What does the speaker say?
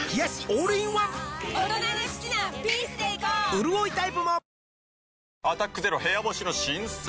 うるおいタイプも「アタックＺＥＲＯ部屋干し」の新作。